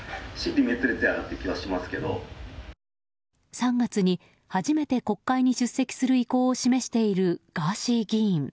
３月に初めて国会に出席する意向を示しているガーシー議員。